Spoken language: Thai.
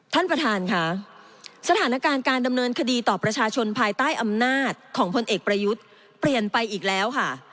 ท่านประธานค่ะสถานการณ์การดำเนินคดีต่อประชาชนภายใต้อำนาจของพลเอกประยุทธ์เปลี่ยนไปอีกแล้วค่ะ